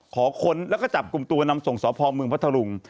ขอคนแล้วก็จับกลุ่มตัวนำส่งสอบภองเมืองพระทะลุง